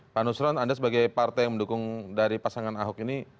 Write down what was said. pak nusron anda sebagai partai yang mendukung dari pasangan ahok ini